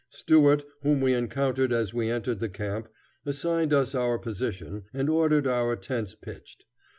Stuart, whom we encountered as we entered the camp, assigned us our position, and ordered our tents pitched.